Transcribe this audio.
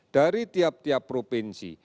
dari tiap tiap provinsi